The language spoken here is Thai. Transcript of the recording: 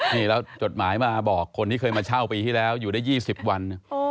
นี่แล้วจดหมายมาบอกคนที่เคยมาเช่าปีที่แล้วอยู่ได้๒๐วัน